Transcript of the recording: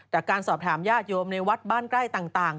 แต่การสอบถามญาติโยมในวัดบ้านใกล้ต่าง